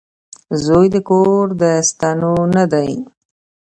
• زوی د کور د ستنو نه دی.